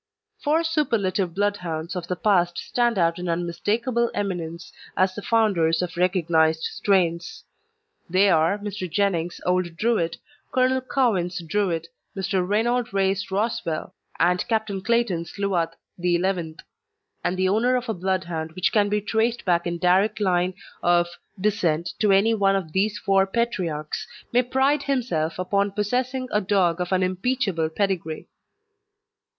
Four superlative Bloodhounds of the past stand out in unmistakable eminence as the founders of recognised strains. They are Mr. Jenning's Old Druid, Colonel Cowen's Druid, Mr. Reynold Ray's Roswell, and Captain Clayton's Luath XI.; and the owner of a Bloodhound which can be traced back in direct line of descent to any one of these four patriarchs may pride himself upon possessing a dog of unimpeachable pedigree.